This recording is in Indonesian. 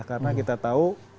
karena kita tahu